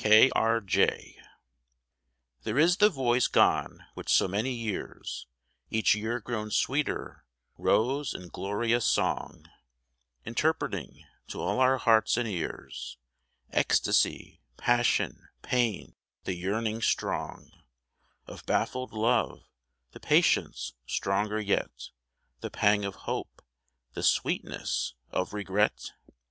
K. R. J. HERE is the voice gone which so many years, Each year grown sweeter, rose in glorious song, Interpreting to all our hearts and ears Ecstasy, passion, pain, the yearning strong Of baffled love, the patience stronger yet, The pang of hope, the sweetness of regret